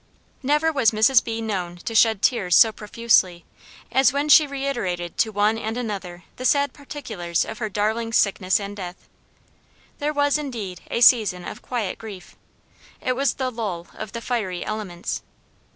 Never was Mrs. B. known to shed tears so profusely, as when she reiterated to one and another the sad particulars of her darling's sickness and death. There was, indeed, a season of quiet grief; it was the lull of the fiery elements.